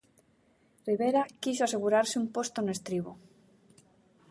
Rivera quixo asegurouse un posto no estribo.